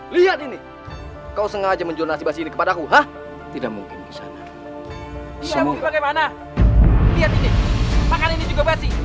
lihat ini makanan ini juga basi dan dipenuhi ulat sama belatung